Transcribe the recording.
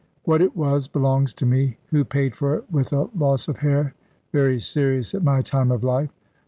What it was, belongs to me, who paid for it with a loss of hair, very serious at my time of life.